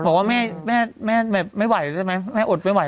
บอกว่าแม่ไม่ไหวได้ไหมแม่อดไม่ไหวแล้วนะ